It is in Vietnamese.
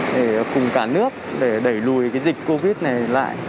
để cùng cả nước để đẩy lùi cái dịch covid này lại